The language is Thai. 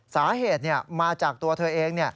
สาเหตุมาจากตัวเธอเอง